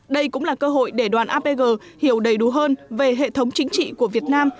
đây cũng là cơ hội để đoàn apg hiểu đầy đủ hơn về hệ thống chính trị của việt nam